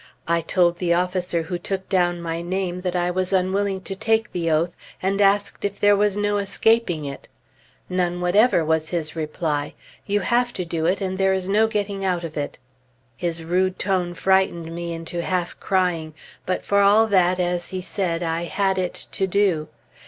I told the officer who took down my name that I was unwilling to take the oath, and asked if there was no escaping it. "None whatever" was his reply. "You have it to do, and there is no getting out of it." His rude tone frightened me into half crying; but for all that, as he said, I had it to do.